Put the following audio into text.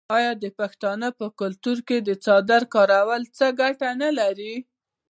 آیا د پښتنو په کلتور کې د څادر کارول څو ګټې نلري؟